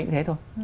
cũng thế thôi